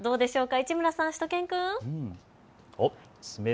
市村さん、しゅと犬くん。